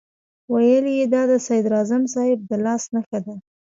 ویل یې دا د صدراعظم صاحب د لاس نښه ده.